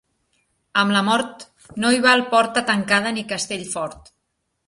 Amb la mort, no hi val porta tancada ni castell fort.